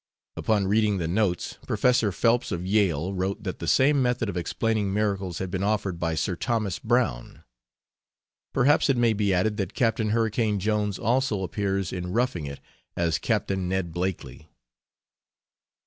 Upon reading the "notes," Professor Phelps of Yale wrote that the same method of explaining miracles had been offered by Sir Thomas Browne. Perhaps it may be added that Captain Hurricane Jones also appears in Roughing It, as Captain Ned Blakely.